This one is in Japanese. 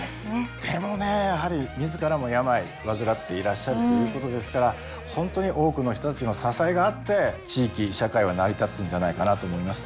でもねやはり自らも病患っていらっしゃるということですから本当に多くの人たちの支えがあって地域社会は成り立つんじゃないかなと思います。